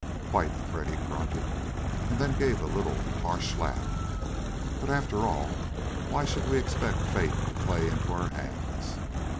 "Quite!" Freddy grunted, and then gave a little harsh laugh. "But, after all, why should we expect fate to play into our hands?